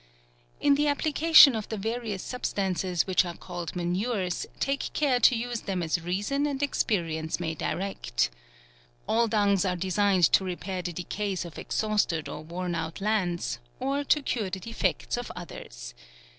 In the application of the various substan ces which are called manures, take care to use them as reason and experience may di* rect. All dungs are designed to repair the decays of exhausted or worn out lands, or to cure the defects of others.